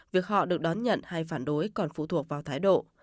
việc họ được đón nhận hay phản đối còn phụ thuộc vào thái độ